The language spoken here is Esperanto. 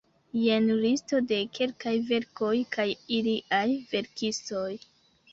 Jen listo de kelkaj verkoj kaj iliaj verkistoj.